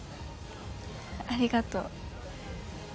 ありがとう。